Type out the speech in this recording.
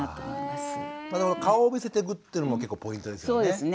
顔を見せてっていうのも結構ポイントですよね。